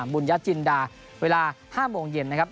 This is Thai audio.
บุญญจินดาเวลา๕โมงเย็นนะครับ